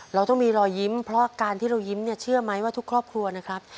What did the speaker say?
เราต้องมีรอยยิ้มเพราะการที่เรายิ้มเนี่ยเชื่อไหมว่าทุกครอบครัวนะครับ